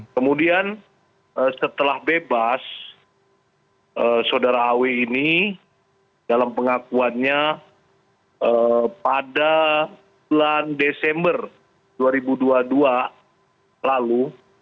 kemudian setelah bebas saudara aw ini dalam pengakuannya pada bulan desember dua ribu dua puluh dua lalu